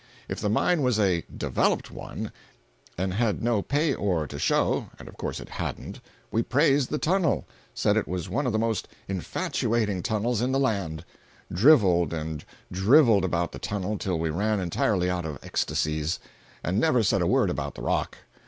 If the mine was a "developed" one, and had no pay ore to show (and of course it hadn't), we praised the tunnel; said it was one of the most infatuating tunnels in the land; driveled and driveled about the tunnel till we ran entirely out of ecstasies—but never said a word about the rock.